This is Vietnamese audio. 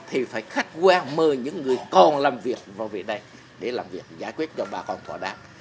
thì phải khách quan mời những người còn làm việc vào về đây để làm việc giải quyết cho bà con thỏa đáng